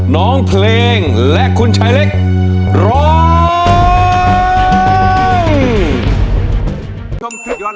น้องเพลงและคุณชายเล็กร้อง